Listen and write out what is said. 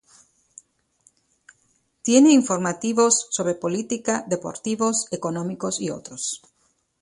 Tiene informativos sobre política, deportivos, económicos y otros.